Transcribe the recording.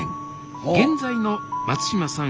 現在の松嶋さん